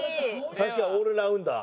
確かにオールラウンダー。